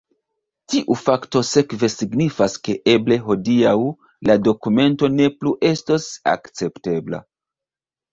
Tiu fakto sekve signifas ke eble hodiaŭ la dokumento ne plu estos akceptebla.